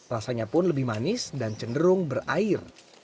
rasanya pun lebih manis dan cenderung berair